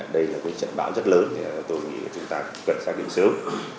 đây là cái trận bão rất lớn tôi nghĩ chúng ta cần xác định sớm